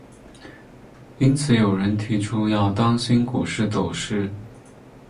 因此有人提出要当心股市走势。